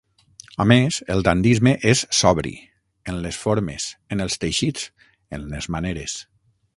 A més el dandisme és sobri, en les formes, en els teixits, en les maneres.